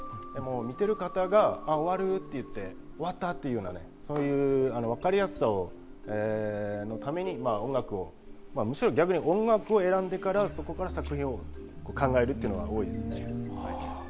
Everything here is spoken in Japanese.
見ている方があっ、終わると言って、終わったというようなわかりやすさのために、むしろ逆に音楽を選んでから、そこから作品を考えるというのが多いですね。